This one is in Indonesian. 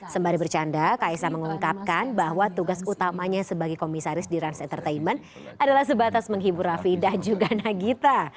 sembari bercanda kaisa mengungkapkan bahwa tugas utamanya sebagai komisaris di rans entertainment adalah sebatas menghibur raffi dan juga nagita